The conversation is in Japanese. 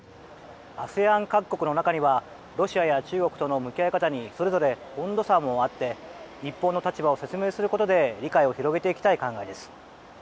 ＡＳＥＡＮ各国の中にはロシアや中国との向き合い方にそれぞれ温度差もあって日本の立場を説明することで理解を広げていきたい考えです。